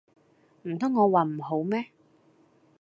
唔通我話唔好咩